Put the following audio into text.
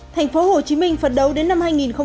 thành phố hồ chí minh phạt đấu đến năm hai nghìn hai mươi một